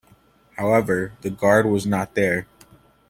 However, the guard was not there.